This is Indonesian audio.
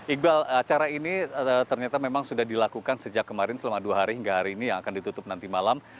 iqbal acara ini ternyata memang sudah dilakukan sejak kemarin selama dua hari hingga hari ini yang akan ditutup nanti malam